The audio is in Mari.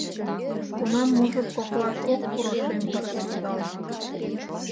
Кунам мужыр коклаш ок пуро шем пырыс кудал